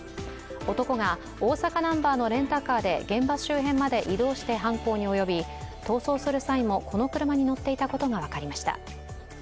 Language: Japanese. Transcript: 男が大阪ナンバーのレンタカーで現場周辺まで移動して犯行に及び逃走する際もこの車に乗っていたことが分かりました。